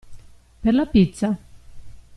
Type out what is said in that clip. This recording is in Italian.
Per la pizza?